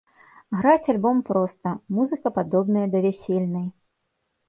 Граць альбом проста, музыка падобная да вясельнай.